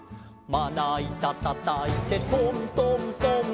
「まないたたたいてトントントン」